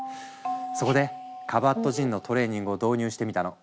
そこでカバットジンのトレーニングを導入してみたの。